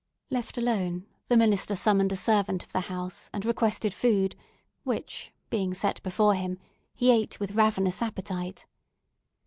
Left alone, the minister summoned a servant of the house, and requested food, which, being set before him, he ate with ravenous appetite.